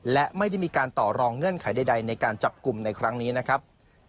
และไม่ได้มีการต่อรองเงื่อนไขใดในการจับกลุ่มในครั้งนี้นะครับ